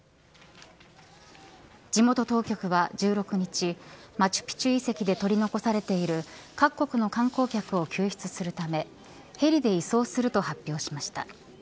地元当局は１６日マチュピチュ遺跡で取り残されている各国の観光客を救出するためヘリで移送すると発表しました。